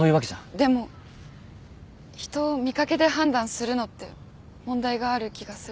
でも人を見掛けで判断するのって問題がある気がする。